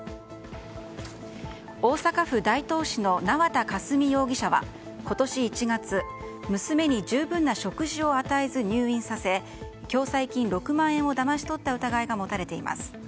大阪府大東市の縄田佳純容疑者は今年１月娘に十分な食事を与えず入院させ共済金６万円をだまし取った疑いが持たれています。